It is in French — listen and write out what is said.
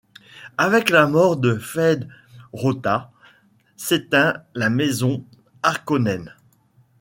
Avec la mort de Feyd-Rautha, s'éteint la Maison Harkonnen.